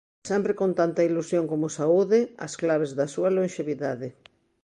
Sempre con tanta ilusión como saúde, as claves da súa lonxevidade.